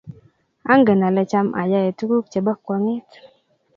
angen ale cham ayae tukuk chebo kwang'et